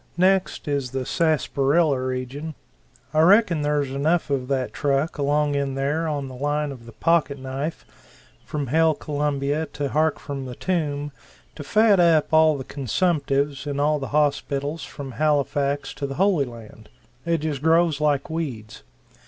Next is the sassparilla region. I reckon there's enough of that truck along in there on the line of the pocket knife, from Hail Columbia to Hark from the Tomb to fat up all the consumptives in all the hospitals from Halifax to the Holy Land. It just grows like weeds!